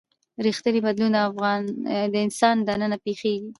ریښتینی بدلون د انسان دننه پیښیږي.